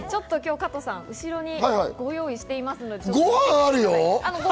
加藤さん、後ろにご用意しています。